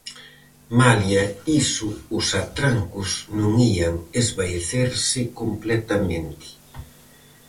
Malia iso, os atrancos non ían esvaecerse completamente.